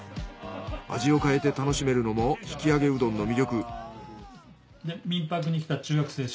味を変えて楽しめるのも引き上げうどんの魅力。